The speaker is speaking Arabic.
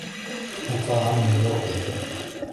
أتی عمي لرؤيتي.